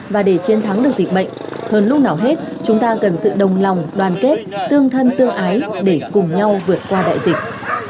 và để chiến thắng được dịch bệnh hơn lúc nào hết chúng ta cần sự đồng lòng đoàn kết tương thân tương ái để cùng nhau vượt qua đại dịch